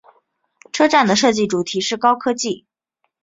车站的设计主题是高科技。